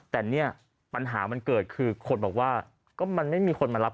แต่เนี่ยปัญหามันเกิดคือคนบอกว่าก็มันไม่มีคนมารับ